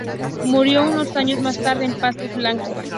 Murió unos años más tarde en Pastos Blancos.